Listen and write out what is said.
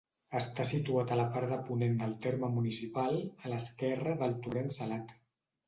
Està situat a la part de ponent del terme municipal, a l'esquerra del Torrent Salat.